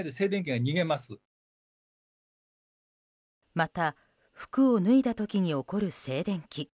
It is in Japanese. また、服を脱いだ時に起こる静電気。